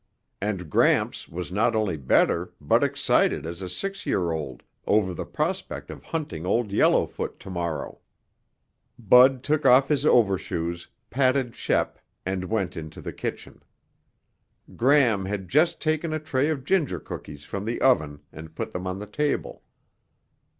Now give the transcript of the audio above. And Gramps was not only better but excited as a six year old over the prospect of hunting Old Yellowfoot tomorrow. Bud took off his overshoes, patted Shep and went into the kitchen. Gram had just taken a tray of ginger cookies from the oven and put them on the table.